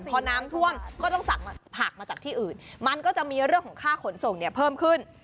พอน้ำท่วมก็ต้องสั่งผักมาจากที่อื่นมันก็จะมีเรื่องของค่าขนส่งเนี่ยเพิ่มขึ้น